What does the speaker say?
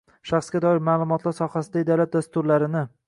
shaxsga doir ma’lumotlar sohasidagi davlat dasturlarini